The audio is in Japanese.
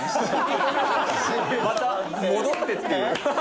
また戻ってっていう。